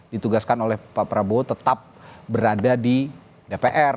ditugaskan oleh pak prabowo tetap berada di dpr